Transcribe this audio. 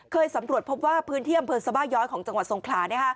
สำรวจพบว่าพื้นที่อำเภอสบาย้อยของจังหวัดทรงขลา